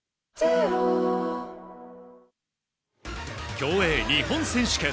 競泳日本選手権。